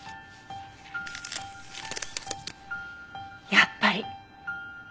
やっぱり。